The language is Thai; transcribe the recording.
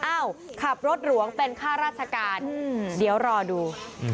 อ้าวขับรถหลวงเป็นค่าราชการเดี๋ยวรอดู